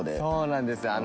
そうなんです。